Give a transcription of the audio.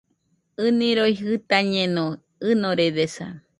ɨniroi jɨtañeno, ɨnoredesa.